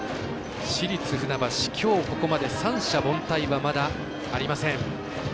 市立船橋、きょうここまで三者凡退はまだありません。